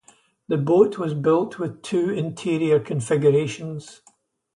The boat was built with two interior configurations.